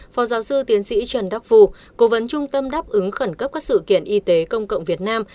phó giáo sư tiến sĩ trần đắc phu cố vấn trung tâm đáp ứng khẩn cấp các sự kiện y tế công cộng việt nam